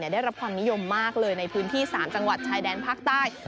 ได้รับความนิยมมากเลยในพื้นที่๓จังหวัดชายแดนภาคใต้